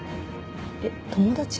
えっ友達？